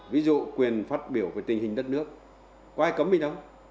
ví dụ quyền phát biểu về tình hình đất nước có ai cấm mình không